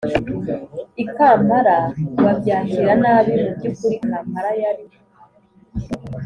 i kampala babyakira nabi. mu by'ukuri kampala yari